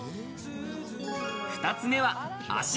２つ目は足。